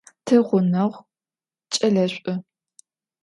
Тигъунэгъу кӏэлэшӏу.